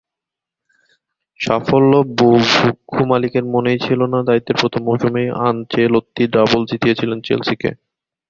সাফল্যবুভুক্ষু মালিকের মনেই ছিল না, দায়িত্বের প্রথম মৌসুমেই আনচেলত্তি ডাবল জিতিয়েছিলেন চেলসিকে।